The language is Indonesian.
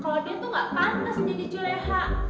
kalau dia tuh gak pantas jadi juleha